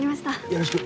よろしく。